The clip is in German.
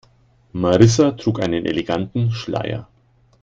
Marissa trug einen eleganten Schleier.